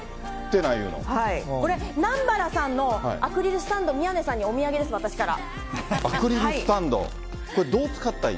これ、南原さんのアクリルスタンド、宮根さんにお土産です、私から。